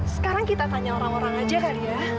sekarang kita tanya orang orang aja kali ya